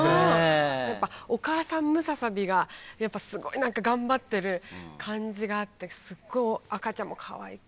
やっぱお母さんムササビがすごい頑張ってる感じがあってすっごい赤ちゃんもかわいくて。